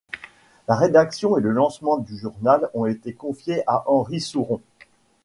La rédaction et le lancement du journal ont été confiés à Henri Souron.